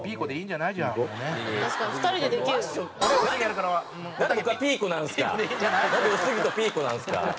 なんでおすぎとピーコなんですか。